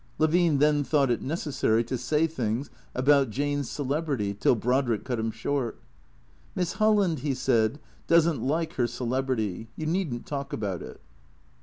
Levine then thought it necessary to say things about Jane's celebrity till Brodrick cut him short. " Miss Holland," he said, " does n't like her celebrity. You need n't talk about it."